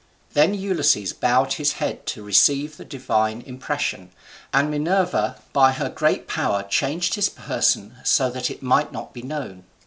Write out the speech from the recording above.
Then Ulysses bowed his head to receive the divine impression, and Minerva by her great power changed his person so that it might not be known.